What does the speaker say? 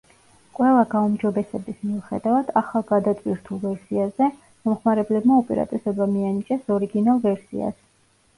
ყველა გაუმჯობესების მიუხედავად ახალ გადატვირთულ ვერსიაზე, მომხმარებლებმა უპირატესობა მიანიჭეს ორიგინალ ვერსიას.